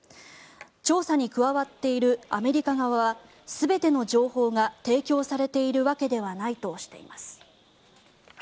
調査に加わっているアメリカ側は全ての情報が提供されているわけではないとしています。